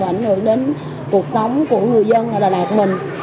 ảnh hưởng đến cuộc sống của người dân ở đà lạt mình